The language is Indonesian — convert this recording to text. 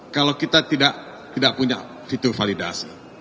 kalau kita tidak punya fitur validasi